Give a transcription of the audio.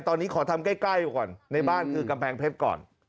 ตอนนี้ขอทำใกล้ก่อนในบ้านคือกำแพงเพชรก่อน